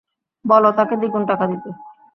বল তাকে দ্বিগুন টাকা দিতে।